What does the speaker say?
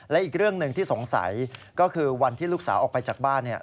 และอีกเรื่องหนึ่งที่สงสัยก็คือวันที่ลูกสาวออกไปจากบ้านเนี่ย